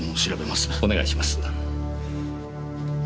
お願いします。